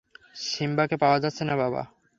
সিম্বাকে পাওয়া যাচ্ছে না বাবা।